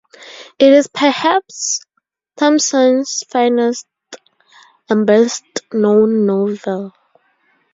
It is perhaps Thompson's finest and best-known novel.